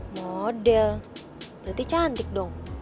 model berarti cantik dong